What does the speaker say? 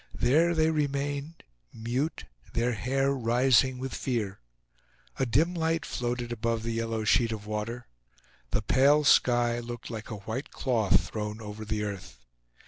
There they remained, mute, their hair rising with fear. A dim light floated above the yellow sheet of water. The pale sky looked like a white cloth thrown over the earth.